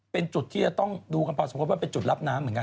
เป็นจุดที่จะต้องดูกันพอสมควรว่าเป็นจุดรับน้ำเหมือนกัน